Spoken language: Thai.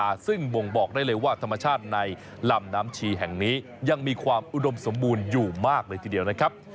ซึ่งบ่งบอกได้เลยว่าธรรมชาติในลำน้ำชีแห่งนี้ยังมีความอุดมสมบูรณ์อยู่มากเลยทีเดียวนะครับ